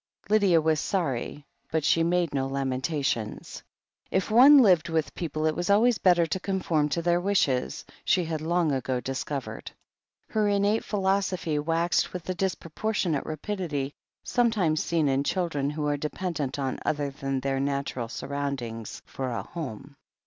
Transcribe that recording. Lydia was sorry, but she made no lamentations. If one lived with people, it was always better to conform to their wishes, she had long ago discovered. Her innate philosophy waxed with the disproportionate rapidity sometimes seen in children who are dependent on other than their natural surroundings, for a home.